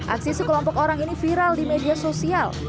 aksi sekelompok orang ini viral di media sosial